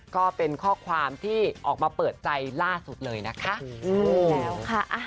ก็เป็นข้อความที่ออกมาเปิดใจล่าสุดเลยนะคะ